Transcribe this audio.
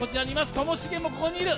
ともしげも、こちらにいる。